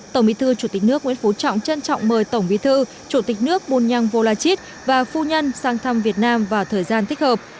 tổng bí thư chủ tịch nước nguyễn phú trọng trân trọng mời tổng bí thư chủ tịch nước bùn nhăng vô la chít và phu nhân sang thăm việt nam vào thời gian thích hợp